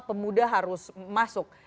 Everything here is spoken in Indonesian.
pemuda harus masuk